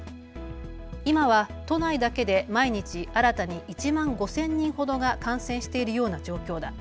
今は都内だけで毎日新たに１万５０００人ほどが感染しているような状況だ。